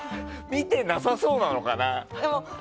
見てなさそうなのかな？